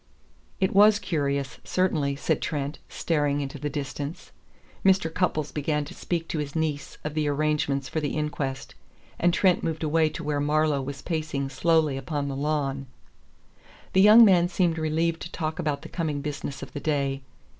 "It was curious, certainly," said Trent, staring into the distance. Mr. Cupples began to speak to his niece of the arrangements for the inquest, and Trent moved away to where Marlowe was pacing slowly upon the lawn. The young man seemed relieved to talk about the coming business of the day.